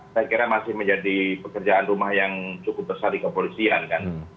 saya kira masih menjadi pekerjaan rumah yang cukup besar di kepolisian kan